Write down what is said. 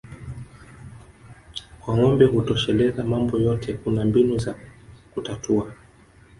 Kwa ngombe hutosheleza mambo yote kuna mbinu za kutatua